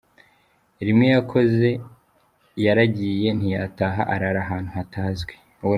Rimwe yakoze yaragiye ntiyataha arara ahantu hatazwi .